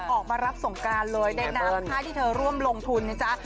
ออกมารับสงการเลยในนามค่ายที่เธอร่วมลงทุนนะจ๊ะ